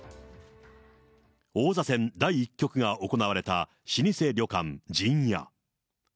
王座戦第１局が行われた老舗旅館、陣屋。